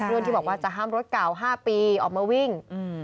เรื่องที่บอกว่าจะห้ามรถเก่า๕ปีออกมาวิ่ง